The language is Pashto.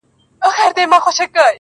په دقيقه کي مسلسل له دروازې وځم